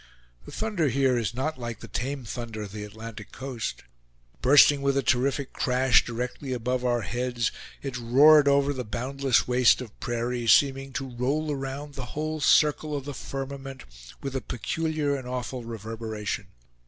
The thunder here is not like the tame thunder of the Atlantic coast. Bursting with a terrific crash directly above our heads, it roared over the boundless waste of prairie, seeming to roll around the whole circle of the firmament with a peculiar and awful reverberation.